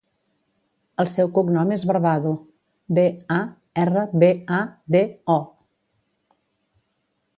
El seu cognom és Barbado: be, a, erra, be, a, de, o.